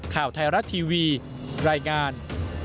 ข่าวไทยรัฐทีวีรายงาน